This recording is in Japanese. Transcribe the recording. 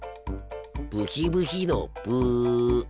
ブヒブヒのブ。